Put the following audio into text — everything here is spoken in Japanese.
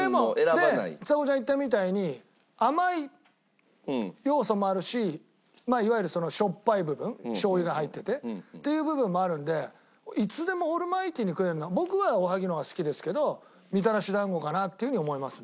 でちさ子ちゃんが言ったみたいに甘い要素もあるしまあいわゆるしょっぱい部分しょう油が入っててっていう部分もあるんでいつでもオールマイティに食えるのは僕はおはぎの方が好きですけどみたらし団子かなっていうふうに思いますね。